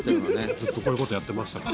ずっとこういうことやってました。